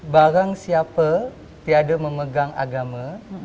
barang siapa tiada memegang agama